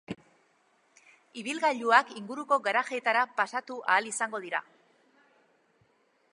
Ibilgailuak inguruko garajeetara pasatu ahal izango dira.